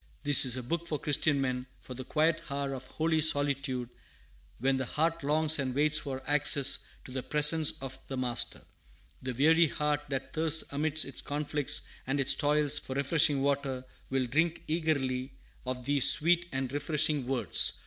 "This is a book for Christian men, for the quiet hour of holy solitude, when the heart longs and waits for access to the presence of the Master. The weary heart that thirsts amidst its conflicts and its toils for refreshing water will drink eagerly of these sweet and refreshing words.